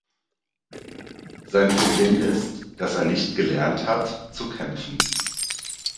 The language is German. Sein Problem ist, dass er nicht gelernt hat, zu kämpfen.